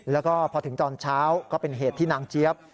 แล้วก็พอถึงตอนเช้าก็เป็นเหตุที่นางเจี๊ยบ